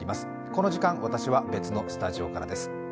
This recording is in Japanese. この時間、私は別のスタジオからです。